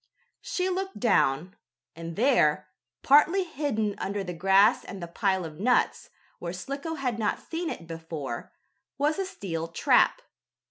She looked down, and there, partly hidden under the grass and the pile of nuts, where Slicko had not seen it before, was a steel trap.